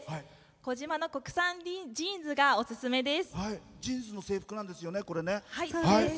児島の国産ジーンズがオススメです。